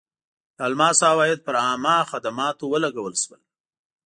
د الماسو عواید پر عامه خدماتو ولګول شول.